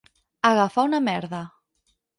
Agafar una merda.